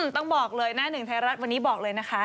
ต้องบอกเลยหน้าหนึ่งไทยรัฐวันนี้บอกเลยนะคะ